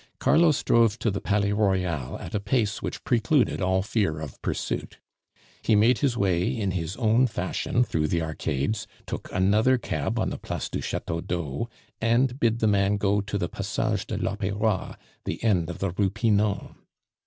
Carlos drove to the Palais Royal at a pace which precluded all fear of pursuit. He made his way in his own fashion through the arcades, took another cab on the Place du Chateau d'Eau, and bid the man go "to the Passage de l'Opera, the end of the Rue Pinon."